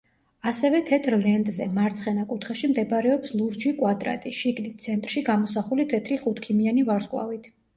ასევე თეთრ ლენტზე, მარცხენა კუთხეში მდებარეობს ლურჯი კვადრატი, შიგნით, ცენტრში გამოსახული თეთრი ხუთქიმიანი ვარსკვლავით.